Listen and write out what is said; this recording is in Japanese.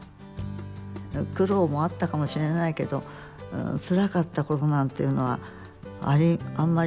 苦労もあったかもしれないけどつらかったことなんていうのはあんまりその思い出しませんですね